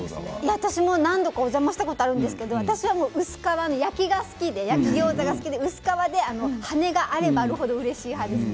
私も何度かお邪魔したことがあるんですけれども薄皮の焼きギョーザが好きで薄皮で羽があればある程うれしい派です。